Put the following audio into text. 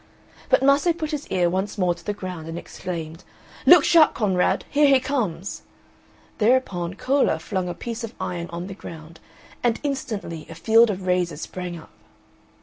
But Mase put his ear once more to the ground and exclaimed, "Look sharp, comrade, here he comes!" Thereupon Cola flung a piece of iron on the ground and instantly a field of razors sprang up.